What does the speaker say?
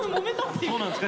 そうなんですか？